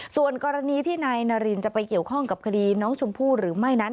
ส่วนกรณีที่นายนารินจะไปเกี่ยวข้องกับคดีน้องชมพู่หรือไม่นั้น